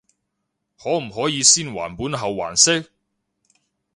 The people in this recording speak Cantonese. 可唔可以先還本後還息？